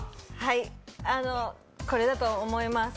これだと思います。